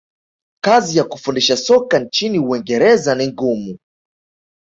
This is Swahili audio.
kazi ya kufundisha soka nchini uingereza ni ngumu